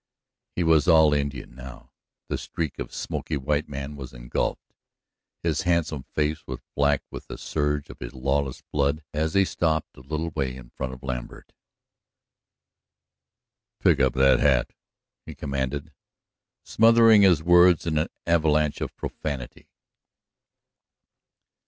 He was all Indian now; the streak of smoky white man was engulfed. His handsome face was black with the surge of his lawless blood as he stopped a little way in front of Lambert. "Pick up that hat!" he commanded, smothering his words in an avalanche of profanity.